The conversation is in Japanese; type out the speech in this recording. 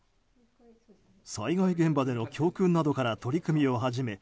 災害現場での教訓などから取り組みを始め